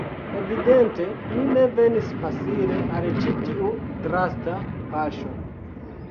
Evidente ni ne venis facile al ĉi tiu drasta paŝo.